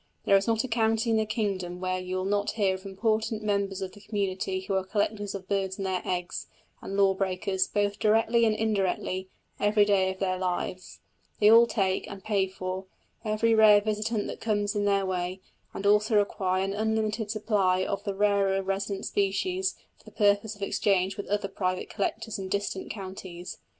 There is not a county in the kingdom where you may not hear of important members of the community who are collectors of birds and their eggs, and law breakers, both directly and indirectly, every day of their lives. They all take, and pay for, every rare visitant that comes in their way, and also require an unlimited supply of the rarer resident species for the purpose of exchange with other private collectors in distant counties.